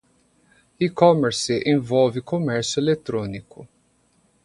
E-commerce envolve comércio eletrônico.